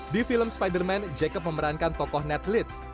di film spider man jacob memerankan tokoh ned litz